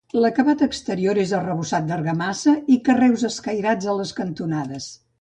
L'acabat exterior és arrebossat d'argamassa i carreus escairats a les cantonades.